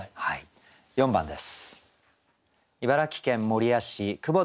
４番です。